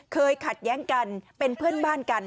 ขัดแย้งกันเป็นเพื่อนบ้านกัน